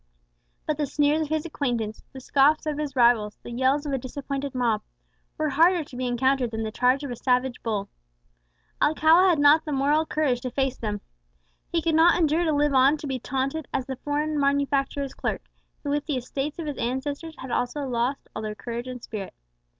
But the sneers of his acquaintance, the scoffs of his rivals, the yells of a disappointed mob, were harder to be encountered than the charge of a savage bull. Alcala had not the moral courage to face them. He could not endure to live on to be taunted as the foreign manufacturer's clerk, who with the estates of his ancestors had also lost all their courage and spirit.